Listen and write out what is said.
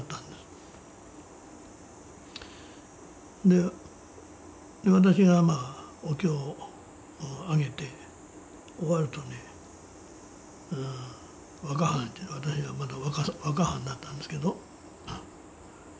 で私がお経をあげて終わるとね「若はん」言うて私はまだ若はんだったんですけど。